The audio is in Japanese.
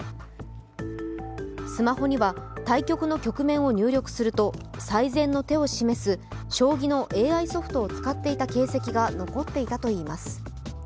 スマホには、対局の局面を入力すると、最善の手を示す将棋のＡＩソフトを使っていた形跡が残っていたといいます。